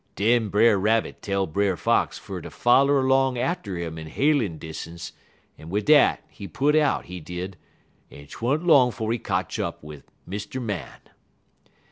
Den Brer Rabbit tell Brer Fox fer ter foller 'long atter 'im in hailin' distuns, en wid dat he put out, he did, en 't wa'nt long 'fo' he kotch up wid Mr. Man.